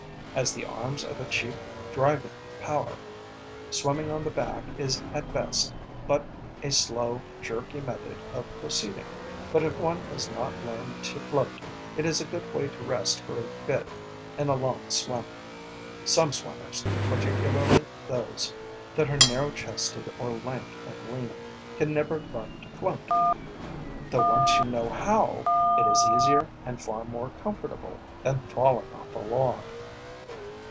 As the arms are the chief driving power, swimming on the back is at best but a slow, jerky method of proceeding, but if one has not learned to float, it is a good way to rest for a bit in a long swim. Some swimmers, particularly those that are narrow chested or lank and lean, can never learn to float, though once you know how, it is easier and far more comfortable than "falling off a log."